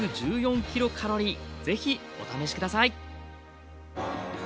是非お試し下さい。